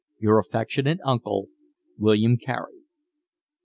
Your affectionate uncle, William Carey.